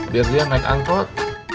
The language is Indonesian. biar dia naik angkot